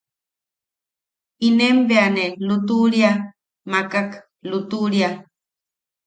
Inen ne bea ne a lutuʼuria makak. lutuʼuria.